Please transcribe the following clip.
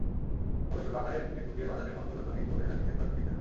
তবে ছোট আকারের নেটবুকের বাজারে কোনো পরিবর্তন নেই বলে জানিয়েছেন কয়েকজন বিক্রেতা।